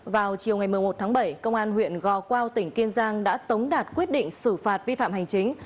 vào chiều ngày một mươi một tháng bảy công an huyện gò quao tỉnh kiên giang đã tống đạt quyết định xử phạt vi phạm hành chính